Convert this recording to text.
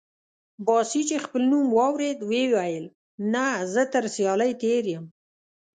باسي چې خپل نوم واورېد وې ویل: نه، زه تر سیالۍ تېر یم.